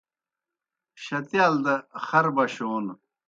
شتِیال دہ خر بشون